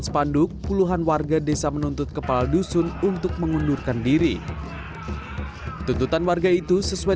spanduk puluhan warga desa menuntut kepala dusun untuk mengundurkan diri tuntutan warga itu sesuai